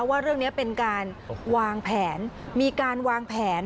ว่าเรื่องนี้เป็นการวางแผนมีการวางแผน